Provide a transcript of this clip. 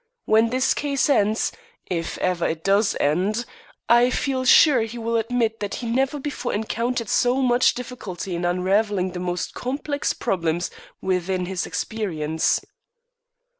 When this case ends, if ever it does end, I feel sure he will admit that he has never before encountered so much difficulty in unravelling the most complex problems within his experience."